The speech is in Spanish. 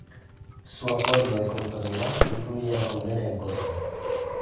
Su acuerdo de conformidad incluye la condena en costas.